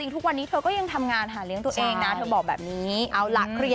ที่เอาเงินเขา